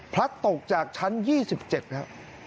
พลัดตกจากชั้น๒๗นะครับ